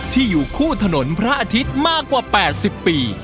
อยู่คู่ถนนพระอาทิตย์มากกว่า๘๐ปี